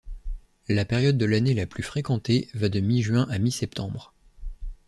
La période de l'année la plus fréquentée va de mi-juin à mi-septembre.